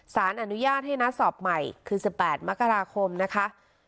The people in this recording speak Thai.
สารอนุญาตให้นัดสอบใหม่คือ๑๘มกราคมนะคะ